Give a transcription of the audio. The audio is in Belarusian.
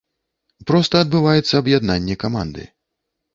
Проста адбываецца аб'яднанне каманды.